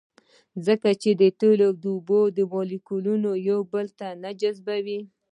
ځکه چې د تیلو او اوبو مالیکولونه یو بل نه جذبوي